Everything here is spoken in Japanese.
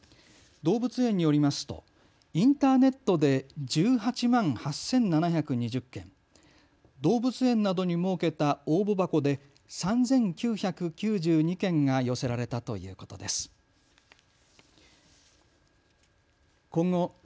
動物園によりますとインターネットで１８万８７２０件、動物園などに設けた応募箱で３９９２件が寄せられたということです。